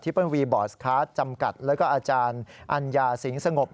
เปิ้ลวีบอสคาร์ดจำกัดแล้วก็อาจารย์อัญญาสิงห์สงบ